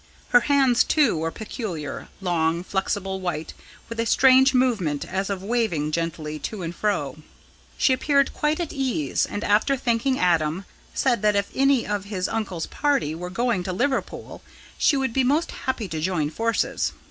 Her hands, too, were peculiar long, flexible, white, with a strange movement as of waving gently to and fro. She appeared quite at ease, and, after thanking Adam, said that if any of his uncle's party were going to Liverpool she would be most happy to join forces.